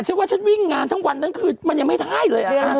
ใช่เพราะนี่เขาก็พูดว่าเสื้อผ้าเอามาให้เขาใส่